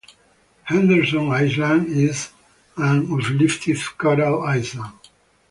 Henderson Island is an uplifted coral island.